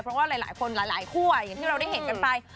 เพราะว่าหลายคนหลายคั่วอย่างที่เราได้เห็นกันไป